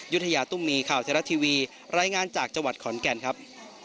ยุธยาตุ้มมีข่าวไทยรัฐทีวีรายงานจากจังหวัดขอนแก่นครับ